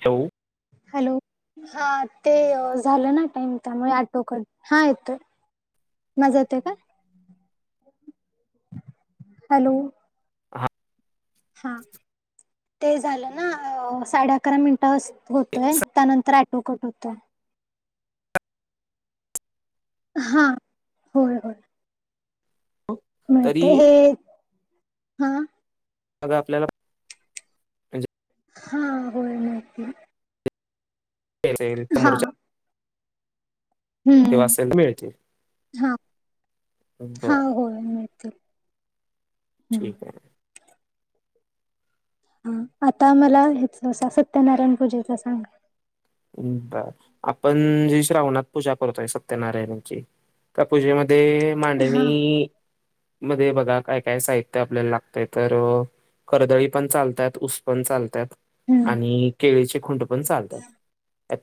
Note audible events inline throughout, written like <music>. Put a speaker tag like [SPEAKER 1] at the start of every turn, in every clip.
[SPEAKER 1] ठेऊ?
[SPEAKER 2] हॅलो... हा ते झालं ना टाइम, त्यामुळे आटो कट... हा येतोय माझा येतोय काय, हॅलो
[SPEAKER 1] हा
[SPEAKER 2] हा, ते झालं ना साडे अकरा मिनिटं होतय त्यानंतर अॅटोकट होतं. हा होय होय.
[SPEAKER 1] होओक
[SPEAKER 2] मिळते हे हा.
[SPEAKER 1] अग आपल्याला. म्हणजे
[SPEAKER 2] हा होय माहिती आहे.
[SPEAKER 1] <unintelligible>
[SPEAKER 2] हा
[SPEAKER 1] <unintelligible>
[SPEAKER 2] हम्म
[SPEAKER 1] <unintelligible> मिळते
[SPEAKER 2] हा हा
[SPEAKER 1] <unintelligible>
[SPEAKER 2] होय मिळतील हम्म.
[SPEAKER 1] ठीक ए
[SPEAKER 2] हा, आता मला हे, सत्यनारायण पूजेचं सांगा
[SPEAKER 1] हम्म... बरं, आपण जी श्रावणात पूजा करतोय सत्यनारायणाची त्या पूजेमध्ये
[SPEAKER 2] हा
[SPEAKER 1] मांडणी मध्ये बघा, काय काय साहित्य आपल्याला लागतंय तर कर्दळी पण चालतात, ऊस पण चालतात
[SPEAKER 2] हम्म
[SPEAKER 1] आणि केळीची खुंड पण चालतात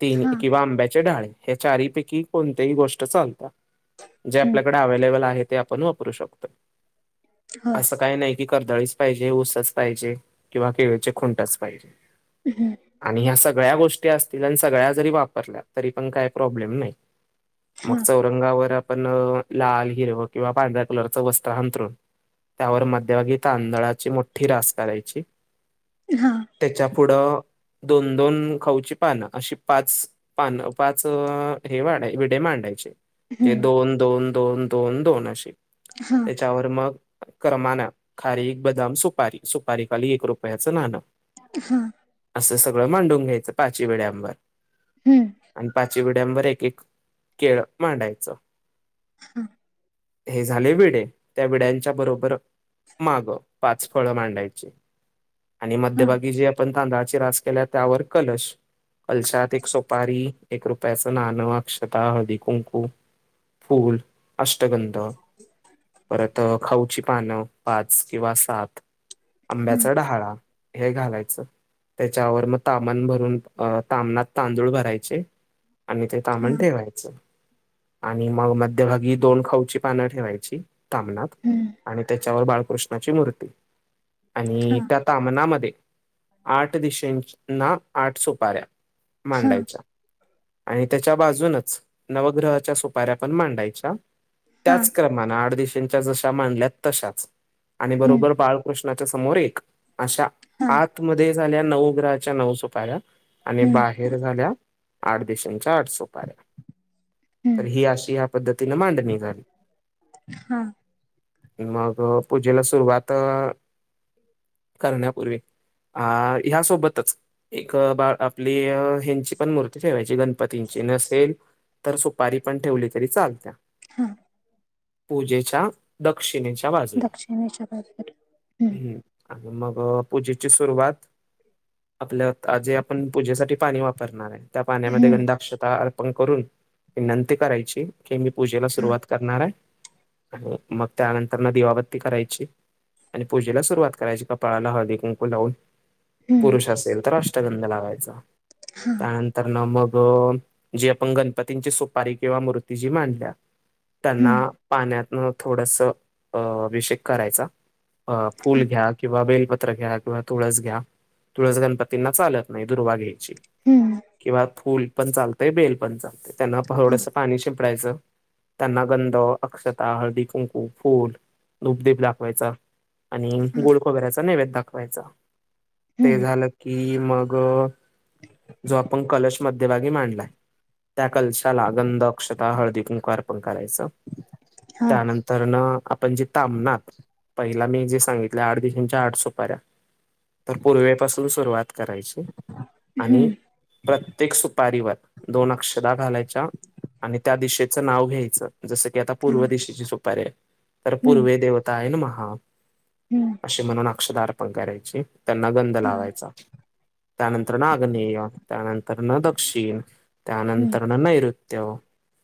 [SPEAKER 1] तीन
[SPEAKER 2] हा
[SPEAKER 1] किंवा आंब्याचे डहाळे या चारीपैकी कोणतेही गोष्ट चालतात. जे
[SPEAKER 2] हम्म
[SPEAKER 1] आपल्याकडे अवेलेबल आहे ते आपण वापरू शकतो,
[SPEAKER 2] होय
[SPEAKER 1] असं काही नाही. की कर्दळीच पाहिजे ऊसच पाहिजे किंवा केळीचे खुंटच पाहिजे.
[SPEAKER 2] हुं.
[SPEAKER 1] आणि ह्या सगळ्या गोष्टी असतील आणि सगळ्या जरी वापरल्या तरी पण काही प्रॉब्लेम नाई. मग
[SPEAKER 2] हा
[SPEAKER 1] चौरंगावर आपण लाल, हिरवं किंवा पांढऱ्या कलरचं वस्त्र हंतरून त्यावर मध्यभागी तांदळाची मोठी रास करायची
[SPEAKER 2] हा.
[SPEAKER 1] त्याच्या पुढं दोन दोन खाऊची पानं अशी पाच पानं, पाच हे वाढा, विडे मांडायचे हे
[SPEAKER 2] हम्म
[SPEAKER 1] दोन दोन दोन दोन दोन अशी
[SPEAKER 2] हा.
[SPEAKER 1] त्याच्यावर मग क्रमानं खारीक, बदाम, सुपारी सुपारीखाली एक रुपयाचं नाणं
[SPEAKER 2] हा.
[SPEAKER 1] असं सगळं मांडून घ्यायचं पाचही वीड्यांवर
[SPEAKER 2] हम्म.
[SPEAKER 1] आणि पाचही विड्यांवर एक एक केळ मांडायचं
[SPEAKER 2] हा
[SPEAKER 1] हे झाले विडे, त्या विड्यांच्या बरोबर मागं पाच फळं मांडायची आणि
[SPEAKER 2] हा
[SPEAKER 1] मध्यभागी जे आपण तांदळाची रास केल्या, त्यावर कलश कलशात एक सुपारी एक रुपयाचं नाणं, अक्षता, हळदी कुंकू फूल अष्टगंध परत खाऊची पानं पाच किंवा सात
[SPEAKER 2] हा
[SPEAKER 1] आंब्याचा डहाळा हे घालायचं त्याच्यावर मग तामान भरून अ तामनात तांदूळ भरायचे आणि ते
[SPEAKER 2] हा
[SPEAKER 1] तामन ठेवायचं. आणि मग मध्यभगी दोन खाऊची पानं ठेवायची. कामनाथ
[SPEAKER 2] हम्म
[SPEAKER 1] आणि त्याच्यावर बाळकृष्णाची मूर्ती
[SPEAKER 2] हा
[SPEAKER 1] आणि त्या तामनामध्ये आठ दिशेना आठ सो पा
[SPEAKER 2] हा
[SPEAKER 1] मांडायच आणि त्याच्या बाजूनच नवग्रहाच्या सुपाऱ्या पण मांडायच्या
[SPEAKER 2] हा
[SPEAKER 1] त्याच क्रमान आडदशांच्या जशा मांडल्या तशाच आणि
[SPEAKER 2] हम्म
[SPEAKER 1] बरोबर बाळकृष्ण समोर एक अशा
[SPEAKER 2] हा
[SPEAKER 1] आत मध्ये झाल्या नऊ ग्रहाच्या नऊ सोपा्या आणि
[SPEAKER 2] हम्म
[SPEAKER 1] बाहेर झाल्या आठ दिशांच्या आठसपाऱ्या तर
[SPEAKER 2] हम्म
[SPEAKER 1] ही अशी या पद्धतीने मांडणी झाली
[SPEAKER 2] हा.
[SPEAKER 1] मग पूजेला सुरुवात करण्यापूर्वी आ... ह्यासोबतच एक बा आपली ह्यांची पण मूर्ती ठेवायची, गणपतींची नसेल तर सुपारी पण ठेवली तरी चालत्या
[SPEAKER 2] हा.
[SPEAKER 1] पूजेच्या दक्षिणेच्या बाजूला,
[SPEAKER 2] दक्षिणेच्या बाजूला
[SPEAKER 1] हम्म आणि मग पूजेची सुरुवात आपल्या जे आपण पूजेसाठी पाणी वापरणार आहे त्या पाण्यामध्ये
[SPEAKER 2] हम्म
[SPEAKER 1] गंधाक्षता अर्पण करून विनंती करायची. की मी पूजेला सुरुवात करणार आहे आणि मग त्यानंतर ना दिवाबत्ती करायची. आणि पूजेला सुरुवात करायची कापाळाला हळदी कुंकू लावून
[SPEAKER 2] हम्म
[SPEAKER 1] पुरुष असेल तर अस. ंध लावायचा
[SPEAKER 2] हा
[SPEAKER 1] त्यानंतर ना मग जी आपण गणपतींची सुपारी किंवा मूर्ती जी मांडल्या त्यांना
[SPEAKER 2] हम्म
[SPEAKER 1] पाण्यातन थोडस अभिषेक करायचा. अ
[SPEAKER 2] हा
[SPEAKER 1] फुल घ्या किंवा बेलपत्र घ्या किंवा तुळस घ्या तुळस गणपतींना चालत नाही. दुरभग्यची
[SPEAKER 2] हम्.
[SPEAKER 1] किंवा फूल पण चालतय बेल पण चालत त्यांना
[SPEAKER 2] हा
[SPEAKER 1] थोडस पाणी शिंपडायचं त्यांना गंध अक्षता हळदी कुंकु फूल दूपदीप दाखवायचा आणि
[SPEAKER 2] हा
[SPEAKER 1] गोड खोबऱ्याचा नैवेद दाखवायचा ते
[SPEAKER 2] हम्म
[SPEAKER 1] झालं की मग जो आपण कलश मध्यभागी मांडलाय. त्या कलशाला गंध अक्षतः हळदी कुंकार पण करायचं
[SPEAKER 2] हा
[SPEAKER 1] त्यानंतर तर ना आपण जे तांबणार पहिला मी जे सांगितले आठ दिवसांच्या आठ सुपाऱ्या तर पूर्वेपासून सुरुवात करायची आणि
[SPEAKER 2] हम्म
[SPEAKER 1] प्रत्येक सुपारीवर दोन अक्षर घालायच्या. आणि त्या दिशेचं नाव घ्यायचं जसं की आता
[SPEAKER 2] हा
[SPEAKER 1] पूर्व दिशेची सुपारी तर
[SPEAKER 2] हम्म
[SPEAKER 1] पूर्वे देव महा
[SPEAKER 2] हम्म
[SPEAKER 1] अशी म्हणून अक्षधार पण करायची त्यांना गंध
[SPEAKER 2] हा
[SPEAKER 1] लावायचा. त्यानंतर नाग्नेय त्यानंतर न दक्षिण
[SPEAKER 2] हम्म
[SPEAKER 1] त्यानंतर न नैऋत्य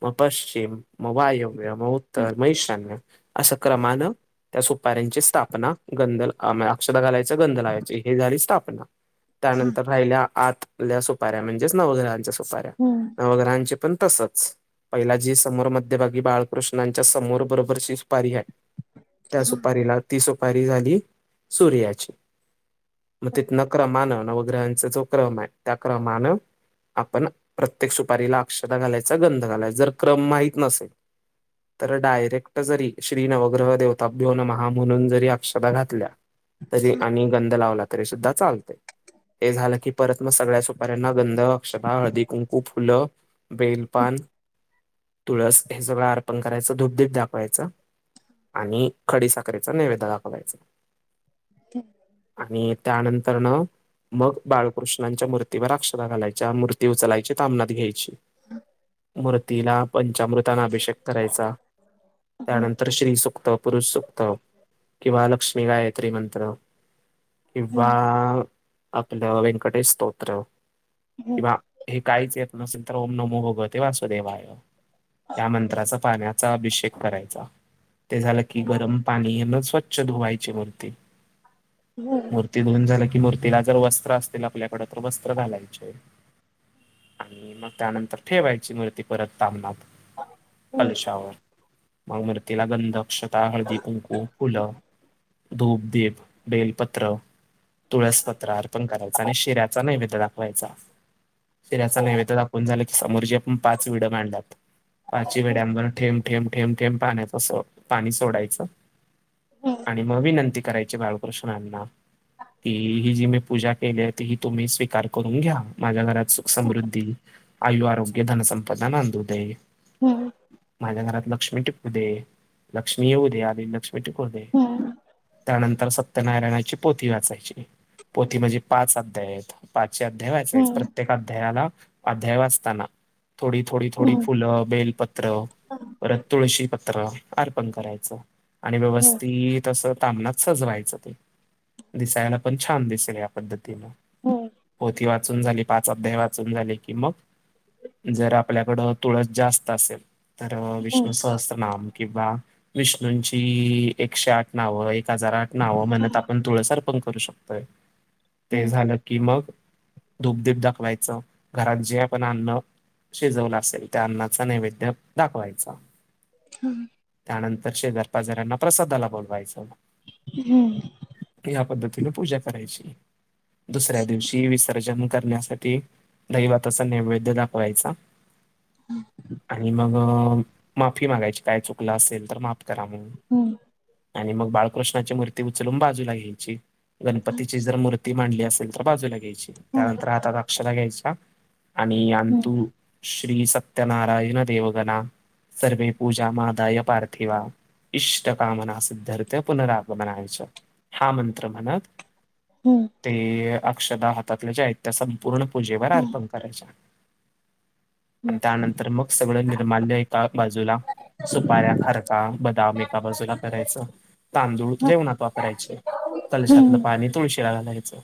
[SPEAKER 1] मग पश्चिम मग वायव्य मग
[SPEAKER 2] हा
[SPEAKER 1] उत्तर म शान्य असं क्रमानं त्या सुपाऱ्यांची स्थापना गंधल अक्षता घालायच गंध लायची हे झाली स्थापना
[SPEAKER 2] हा
[SPEAKER 1] त्यानंतर राहिल्या आतल्या सुपाऱ्या म्हणजेच नवग्रहांच्या सुपाार्या
[SPEAKER 2] हम्म.
[SPEAKER 1] वगहांचे पण तसंच. पहिला जी समोर मध्यभागी बाळकृष्णांच्या समोर बरोबरची सुपारी आहे. त्या
[SPEAKER 2] हा
[SPEAKER 1] सुपारीला ती सुपारी झाली सूर्याची मग तिथ न क्रमानं नवग्रहांचा जो क्रम आहे त्या क्रमानं आपण प्रत्येक सुपारीला अक्षता घालायचा गंध घालायचा जर क्रम माहत नसेल. तर डायरेक्ट जरी श्री नवग्रह देवताभ्योन महा म्हणून जरी अक्षता घातल्या. तरी आणि गंध लावला तरी सुद्धा चालते हे झालं की परत मग सगळ्या सुपाऱ्यांना गंध अक्षर हळदी कुंकू फुलं बेलपान तुळस हे सगळं अर्पण करायचं धूपधीप दाखवायचं. आणि खडी साखरेचा नैवेद दाखवायचा.
[SPEAKER 2] ह.
[SPEAKER 1] आणि त्यानंतर न मग बाळकृष्णांच्या मूर्तीवर अक्षता घालायच्या मूर्ती उचलायची तामनात घ्यायची मृतीला पंचामृती ताना अभिषेक करायचा त्यानंतर श्री सुखत पुरुष सुखत किंवा लक्ष्मी गायत्री मंत्र किंवा
[SPEAKER 2] हम्म
[SPEAKER 1] आपलं व्यंकटेश स्तोत्र
[SPEAKER 2] हम्म
[SPEAKER 1] किंवा हे काहीच येत नसेल तर ओम नमो होगं ते वास देवाय या मंत्राचा पाण्याचा अभिषेक करायचा ते झालं की गरम पाणी न स्वच्छ धुवायचे वरते
[SPEAKER 2] हम्म
[SPEAKER 1] मूर्ती दोन झालं की मूर्तीला जर वस्त्र असतील आपल्याकड तर वस्त्र घालायचे आणि मग त्यानंतर ठेवायची मर्ती परत ताबनात कलशावर मग मूर्तीला गंध क्षता हळदी कुंकू फुलं धूप दीप बेलपत्र तुळसपत्र त्र अर्पण करायचा आणि शि्याचा नैवेद्य दाखवायचा शि्याचा नैवेद्य दा झा समोर जे आपण पाच वड मांडलात पाच वेड्यांवर ठे ठेम ठेम ठेम पाण्याच पाणी सोडायचं आणि मग विनंती करायची बाळ प्रृश्न ना ती ही जी मी पूजा केली ती ही तुम्ही स्वीकार करून घ्या माझ्या घरात सुख समृद्धी आयु आरोग्य धनसंपदा नांदोदय माझ्या घरात लक्ष्मी टिप दे लक्ष्मी येऊ दे्या आणि लक्ष्मी दे त्यानंतर सत्यनारायणाची पोथ वाचायची पोती म्हणजे पाच अध्याय आहेत पाचचे अध्याय व्हायचे
[SPEAKER 2] हम्म
[SPEAKER 1] आहेत
[SPEAKER 2] हम्म
[SPEAKER 1] प्रत्येक अध्यायाला अध्याय वाचताना थोडी थोडी थोडी
[SPEAKER 2] हम्म
[SPEAKER 1] फुलं बेलपत् पत्र वत तुळशी पत्र अर्पण करायचं आणि
[SPEAKER 2] हम्म हम्म
[SPEAKER 1] व्यवस्थित अस ताबनात सजवायचं ते दिसायला पण छान दिसेल या पद्धतीनं
[SPEAKER 2] हो
[SPEAKER 1] होती वाचून झाली पाच अध्याय वाचून झाली की मग जर आपल्याकडं तुळस जास्त असेल तर विष्णु
[SPEAKER 2] हम्म हम्म हम्म
[SPEAKER 1] सहसत्रनाम किंवा विष्णूंची एकशे आठ नावं एक हजार आठ नावं म्हणत आपण तुळसार पण करू शकतो ते झालं कि मग धूपधीप दाखवायचं घरात जे आपण आणणं शिजवलं असेल त्या अन्नाचा नैवेद्य दाखवायचा
[SPEAKER 2] हम्
[SPEAKER 1] त्यानंतर शेजार पाजऱ्यांना प्रसादाला बोलवायचं
[SPEAKER 2] हम्
[SPEAKER 1] या पद्धतीने पूजा करायची दुसऱ्या दिवशी विसर्जन करण्यासाठी दैव तचा नैवेद्य दाखवायचा आणि मग माफी मागायची काय चुकलं असेल तर माफी करा म्ह आणि मग बाळकृष्णाची मूर्ती उचलून बाजूला घ्यायची गणपतीची जर मूर्ती मांडली असेल तर बाजूला घ्यायची त्यानंतर आता दक्षला घ्यायच्या आणि
[SPEAKER 2] हम्म हम्म हम्म हम्म हम्म
[SPEAKER 1] अंतु श्री सत्यनारायण देवगणा से पूजा मादाय पार्थिव इष्टकामना सिद्धर्थ पुनरागमनाच्या हा मंत्र म्हणत
[SPEAKER 2] हम्म!
[SPEAKER 1] ते अक्षदाः हातातले जे आहेत त्या संपूर्ण पूजेवर अर्पण करायच्या.
[SPEAKER 2] <inaudible>
[SPEAKER 1] प त्यानंतर मग सगळं निर्माल्य एका बाजूला सुपाऱ्या, खारका, बदाम एका बाजूला करायचं. तांदूळ जेवणात वापरायचे,
[SPEAKER 2] हम्म हम्म
[SPEAKER 1] कलशातलं पाणी तुळशीला घालायचं.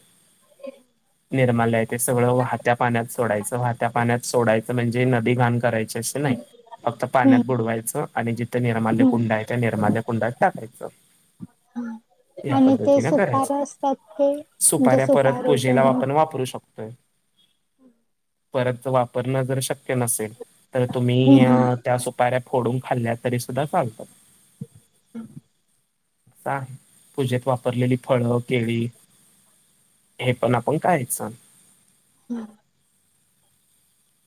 [SPEAKER 2] <inaudible>
[SPEAKER 1] निर्माल आहे ते सगळं वाहत्या पाण्यात सोडायचं. वाहत्या पाण्यात सोडायचं म्हणजे नदी घाण करायची असे नाही. फक्त पाण्यात
[SPEAKER 2] हम्म
[SPEAKER 1] बुडवायचं आणि जिथं निर्माल्य कुंड
[SPEAKER 2] हम्म
[SPEAKER 1] आहे त्या निर्माल्या कुंडात टाकायचं. या
[SPEAKER 2] आणि ते
[SPEAKER 1] पद्धतीने करायचं.
[SPEAKER 2] सुपार असतात ते म्हणजे
[SPEAKER 1] सुपाऱ्या परत
[SPEAKER 2] सुपारी ते
[SPEAKER 1] पूजेला
[SPEAKER 2] हम्म
[SPEAKER 1] आपण वापरू शकतो परत वापरणं जर शक्य नसेल तर तुम्ही त्या सुपाऱ्या फोडून खाल्ल्या तरी सुद्धा चालतात
[SPEAKER 2] हमम
[SPEAKER 1] आहे पूजेत वापरलेली फळक केळी हे पण आपण काय सांग
[SPEAKER 2] हम्म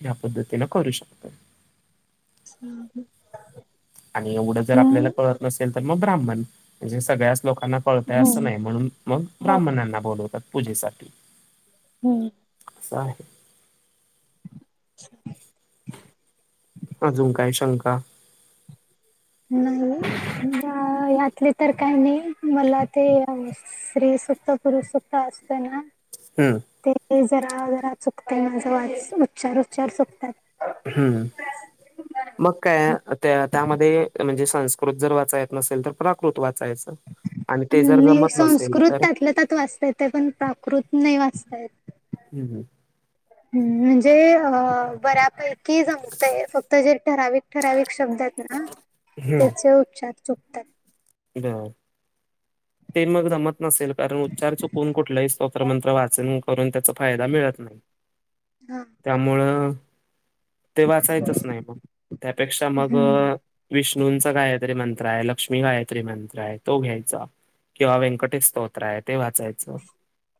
[SPEAKER 1] ह्या पद्धतीन करू शकतोय.
[SPEAKER 2] हम्!
[SPEAKER 1] आणि एवढं जर आपल्याला कळत नसेल तर मग ब्राह्मण म्हणजे सगळ्याच लोक त्यांना कळतय असं
[SPEAKER 2] हम्म
[SPEAKER 1] नाही म्हणून मग
[SPEAKER 2] हो
[SPEAKER 1] ब्राह्मणांना बोलवतात पूजेसाठी.
[SPEAKER 2] हम्म!
[SPEAKER 1] असं आहे.
[SPEAKER 2] <inaudible>
[SPEAKER 1] अजून काय शंका?
[SPEAKER 2] नाही यातले तर काही नाही मला ते यावं. स्त्री सक्ता पुरुष सत्ता असते ना.
[SPEAKER 1] हम्!
[SPEAKER 2] ते जरा जरा चुकत मा जव उच्चार उच्चार चुकतात.
[SPEAKER 1] हम्म!
[SPEAKER 2] <inaudible>
[SPEAKER 1] मग काय त्या त्यामध्ये म्हणजे संस्कृत जर वाचायला नसेल तर प्राकृत वाचायचं. आणि ते जर
[SPEAKER 2] नाही
[SPEAKER 1] जमत नसेल
[SPEAKER 2] संस्कृत
[SPEAKER 1] तर
[SPEAKER 2] त्यातल्या त्यात वाचता येत पण प्राकृत नाही वाचता येत.
[SPEAKER 1] हम् हम!
[SPEAKER 2] हम्म! म्हणजे अ बऱ्यापैकी जम क् फक्त जे ठराविक ठराविक शब्दात ना त्याचे उच्चार चुकतात.
[SPEAKER 1] बरं. ते मग जमत नसेल कारण उच्चार चुकून कुठलंही स्तोत्र मंत्र वाचन करून त्याच फायदा मिळत नाही.
[SPEAKER 2] हा
[SPEAKER 1] त्यामुळं ते वाचायचच नाही मग त्यापेक्षा मग
[SPEAKER 2] हम्म
[SPEAKER 1] विष्णूंचं कायतरी मंत्र आहे. लक्ष्मी आहे गायत्री मंत्र आहे तो घ्यायचा किंवा व्यंकटे मंत्र ते वाचायचं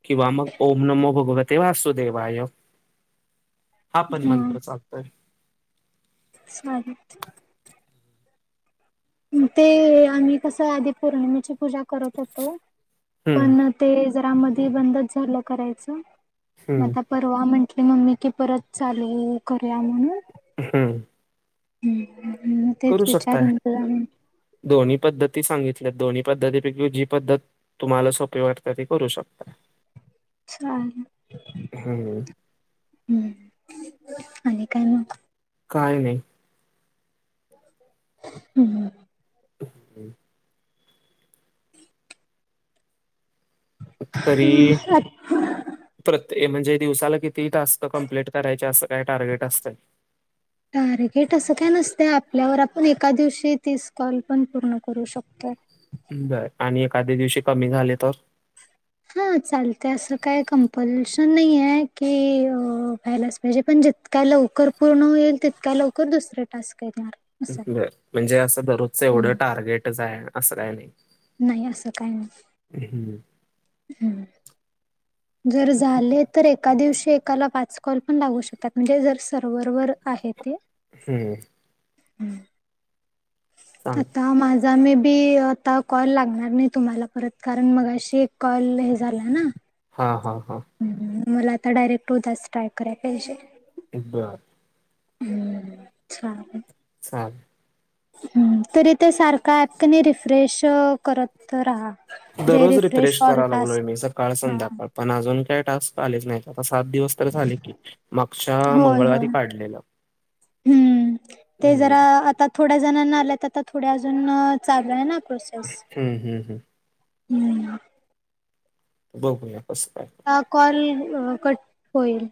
[SPEAKER 1] किंवा मग ओम नमो भगवत तेव्हा सुदैवाय हा पण मंत्र चालतोय.
[SPEAKER 2] चालतंय. ते आम्ही कस आधी पौर्णिमेची पूजा करत होतो
[SPEAKER 1] हम्म
[SPEAKER 2] पण ते जरा मध्ये बंदच झालं करायचं मगं
[SPEAKER 1] हम्म
[SPEAKER 2] आता परवा म्हंटली मम्मी की परत चालू करूया म्हणून.
[SPEAKER 1] हम्म!
[SPEAKER 2] हम्, हम्!
[SPEAKER 1] करू शकताय दोन्ही पद्धती सांगितल्या दोन्ही पद्धतीपैकी जी पद्धत तुम्हाला सोपे वाटतात ते करू शकतात.
[SPEAKER 2] <inaudible> चालेल.
[SPEAKER 1] हम्म
[SPEAKER 2] हम्म आणि काय मग?
[SPEAKER 1] काय नाही.
[SPEAKER 2] हम्म.
[SPEAKER 1] <unintelligible> तरी प्रत्ये म्हणजे दिवसाला किती टास्क कंप्लीट करायचे असं काय टार्गेट असतय?
[SPEAKER 2] टार्गेट असं काय नसतय. आपल्यावर आपण एका दिवशी तीच कॉल पण पूर्ण करू शकतोय.
[SPEAKER 1] बरं आणि एखाद्या दिवशी कमी झाले तर?
[SPEAKER 2] हा चालत असं काय कंपल्शन नाही आहे की म्हणजे पण जितक्या लवकर पूर्ण होईल, तितक्या लवकर दुसरे टास्क येणार. असं
[SPEAKER 1] बर म्हणजे असं दररोजचं
[SPEAKER 2] हं.
[SPEAKER 1] एवढं
[SPEAKER 2] आहे
[SPEAKER 1] टार्गेटच आहे असं काही नाही.
[SPEAKER 2] नाही असं काही नाही.
[SPEAKER 1] <inaudible>
[SPEAKER 2] हम्म जर
[SPEAKER 1] ठीक आहे.
[SPEAKER 2] झाले तर एका दिवशी एकाला पाच कॉल पण लागू शकतात म्हणजे जर सर्वर वर आहे ते.
[SPEAKER 1] हम्म.
[SPEAKER 2] हम्म.
[SPEAKER 1] चांग
[SPEAKER 2] आता मा जा मे बी आता कॉल लागणार नाही तुम्हाला परत, कारण मग अशी एक कॉल हे झाला ना?
[SPEAKER 1] हा हा हा.
[SPEAKER 2] हम्म. मला आता डायरेक्ट उद्याच ट्राय कराय पाहिजे.
[SPEAKER 1] ब
[SPEAKER 2] हम्म. चाल
[SPEAKER 1] चाल
[SPEAKER 2] तरी ते सारख ऍप कनी रिफ्रेश करत राहा. जे
[SPEAKER 1] दररोज रिफ्रेश
[SPEAKER 2] ऑल
[SPEAKER 1] करा लागलोय
[SPEAKER 2] टास्क
[SPEAKER 1] मी सकाळ,
[SPEAKER 2] हा
[SPEAKER 1] संध्याकाळ. पण अजून काय टास्क आलेच नाही आता सात दिवस, तर झाले की मागच्या
[SPEAKER 2] होय
[SPEAKER 1] मंगळवारी
[SPEAKER 2] होय
[SPEAKER 1] काढलेलं.
[SPEAKER 2] हम्म. ते
[SPEAKER 1] हं,
[SPEAKER 2] जरा आता थोड्या जणांना आल्यात आता थोड्या अजून चालू आहे ना प्रोस
[SPEAKER 1] हम्म हम्म हम्म.
[SPEAKER 2] हम्म.
[SPEAKER 1] बघूया कस काय?
[SPEAKER 2] आ कॉल कट होईल.